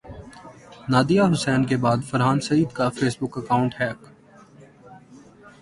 Nadia Hussain کے بعد فرحان سعید کا فیس بک اکانٹ ہیک